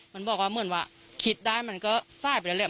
มันบอกว่าเหมือนว่าคิดได้มันก็สายไปแล้วแหละ